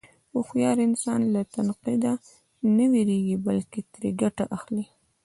هوښیار انسان له تنقیده نه وېرېږي، بلکې ترې ګټه اخلي.